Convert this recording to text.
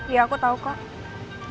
ya aku tau kok